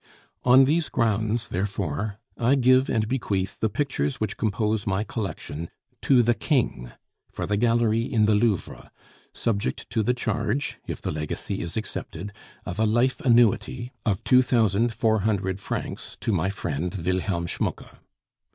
"On these grounds, therefore, I give and bequeath the pictures which compose my collection to the King, for the gallery in the Louvre, subject to the charge (if the legacy is accepted) of a life annuity of two thousand four hundred francs to my friend Wilhelm Schmucke.